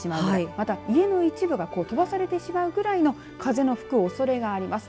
または家の一部が飛ばされてしまうぐらいの風の吹くおそれがあります。